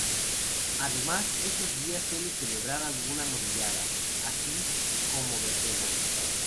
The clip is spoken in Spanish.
Además, esos días se suele celebrar alguna novillada, así como verbenas.